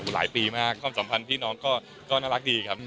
หลายปีมากความสัมพันธ์พี่น้องก็น่ารักดีครับ